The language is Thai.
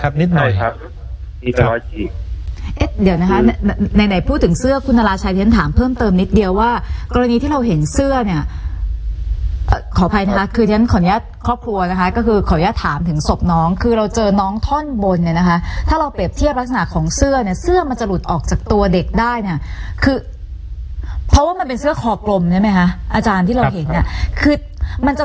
บนเสื้อผ้ามีมีตรงลองเกงครับลองเกงจะเป็นเอ่อฉีกขาดออกไปเลยแล้วก็ตรง